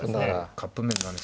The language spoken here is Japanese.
カップ麺だね。